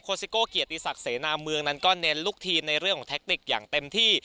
ซิโก้เกียรติศักดิ์เสนาเมืองนั้นก็เน้นลูกทีมในเรื่องของแทคติกอย่างเต็มที่